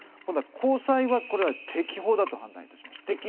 高裁では適法と判断しました。